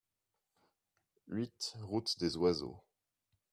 huit route des Oiseaux